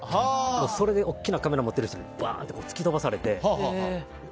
それで大きなカメラ持ってる人にバーンって突き飛ばされて。